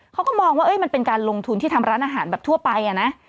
เขาก็มองว่ามันเป็นการลงทุนที่ทำร้านอาหารแบบทั่วไปนะ